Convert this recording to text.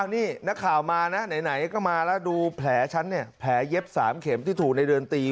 นี่นักข่าวมานะไหนก็มาแล้วดูแผลฉันเนี่ยแผลเย็บ๓เข็มที่ถูกในเดือนตี